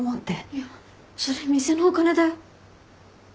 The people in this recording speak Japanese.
いやそれ店のお金だよ。